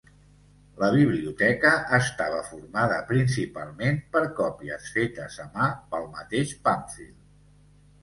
La biblioteca estava formada principalment per còpies fetes a mà pel mateix Pàmfil.